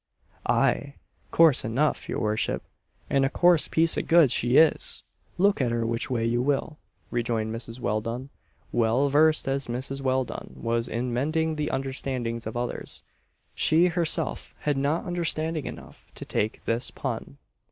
"Aye, coarse enough, your worship, and a coarse piece of goods she is look at her which way you will," rejoined Mrs. Welldone. Well versed as Mrs. Welldone was in mending the understandings of others, she herself, had not understanding enough to take this pun.